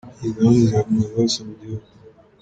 Iyi gahunda izakomeza hose mu gihugu.